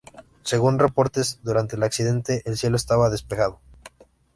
Según reportes, durante el accidente, el cielo estaba despejado.